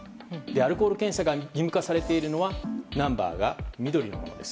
アルコール検査が義務化されているのはナンバーが緑のものです。